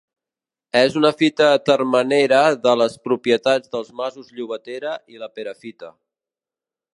És una fita termenera de les propietats dels masos Llobatera i la Perafita.